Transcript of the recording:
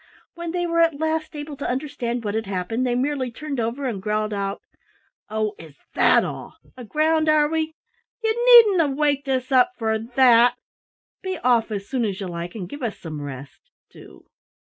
When they were at last able to understand what had happened, they merely turned over and growled out: "Oh, is that all? Aground, are we? Ye needn't have waked us up for that! Be off as soon as ye like and give us some rest do!"